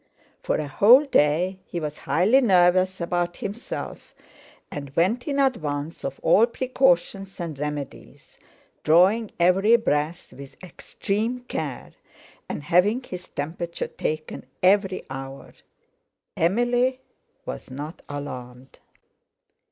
For a whole day he was highly nervous about himself and went in advance of all precautions and remedies; drawing every breath with extreme care and having his temperature taken every hour. Emily was not alarmed.